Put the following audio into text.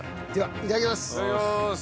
いただきます。